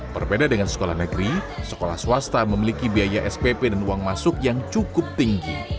berbeda dengan sekolah negeri sekolah swasta memiliki biaya spp dan uang masuk yang cukup tinggi